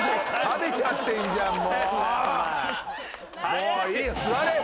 もういいよ！